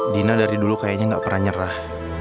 dina dari dulu kayaknya gak pernah nyerah